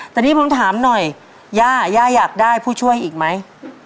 แต่นี่ผมถามหน่อยย่าย่าอยากได้ผู้ช่วยอีกไหม